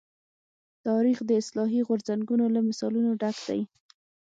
تاریخ د اصلاحي غورځنګونو له مثالونو ډک دی.